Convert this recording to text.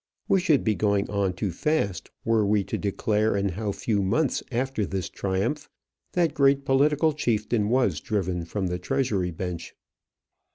We should be going on too fast were we to declare in how few months after this triumph that great political chieftain was driven from the Treasury bench.